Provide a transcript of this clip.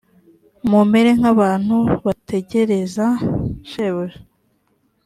mumere nk abantu bategereza shebuja